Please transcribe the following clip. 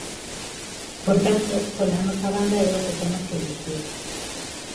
Por tanto, pola nosa banda é o que temos que dicir.